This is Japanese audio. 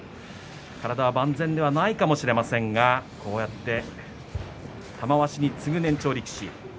体は、万全ではないかもしれませんがこうやって玉鷲に次ぐ年長力士。